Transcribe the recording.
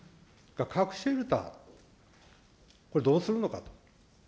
核シェルター、これどうするのか。